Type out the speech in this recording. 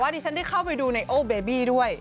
ดิฉันได้เข้าไปดูไนโอเบบี้ด้วย